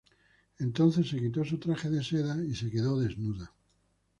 Entonces se quitó su traje de seda y se quedó desnuda.